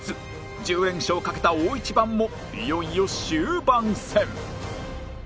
１０連勝をかけた大一番もいよいよ終盤戦